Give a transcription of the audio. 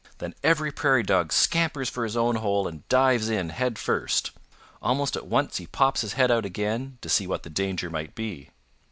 Then every Prairie Dog scampers for his own hole and dives in head first. Almost at once he pops his head out again to see what the danger may be."